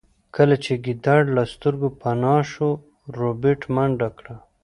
کله چې ګیدړ له سترګو پناه شو ربیټ منډه کړه